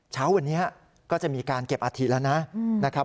เช้าวันนี้ก็จะมีการเก็บอะถีแล้ว